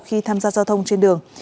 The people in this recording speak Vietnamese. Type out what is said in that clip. khi tham gia giao thông trên đường